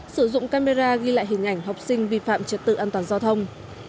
sử dụng camera ghi lại hình ảnh học sinh vi phạm trật tự an toàn giao thông